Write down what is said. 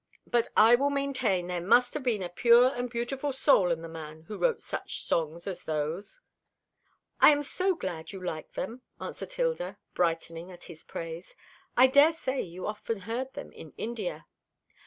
But I will maintain there must have been a pure and beautiful soul in the man who wrote such songs as those." "I am so glad you like them," answered Hilda, brightening at his praise. "I daresay you often heard them in India."